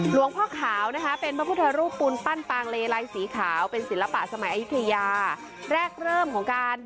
หลวงพ่อขาวนะคะเป็นบรรพุทรรูปปุนตั้งปางเลไรสีขาวเป็นศิลปะสมัยอฮิเคยา